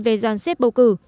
về giàn xếp bầu cử